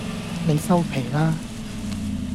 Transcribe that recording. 你收皮啦